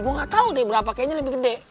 gue gak tau deh berapa kayaknya lebih gede